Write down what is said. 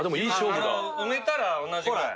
埋めたら同じぐらい。